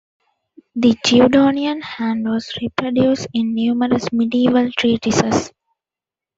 The Guidonian hand was reproduced in numerous medieval treatises.